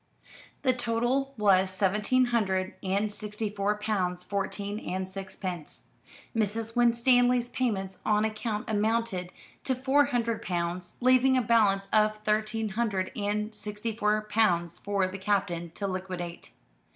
The total was seventeen hundred and sixty four pounds fourteen and sixpence. Mrs. Winstanley's payments on account amounted to four hundred pounds; leaving a balance of thirteen hundred and sixty four pounds for the Captain to liquidate.